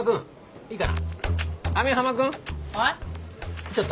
いいから。